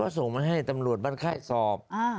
ก็ส่งมาให้ตำรวจบ้านไข้สอบอ่า